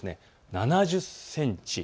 ７０センチ。